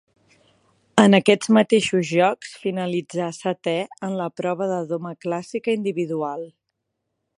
En aquests mateixos Jocs finalitzà setè en la prova de doma clàssica individual.